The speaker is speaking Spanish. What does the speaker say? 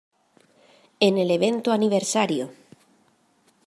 En el evento Aniversario!